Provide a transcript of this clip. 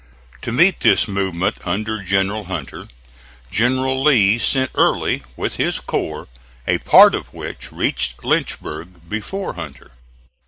To meet this movement under General Hunter, General Lee sent Early with his corps, a part of which reached Lynchburg before Hunter.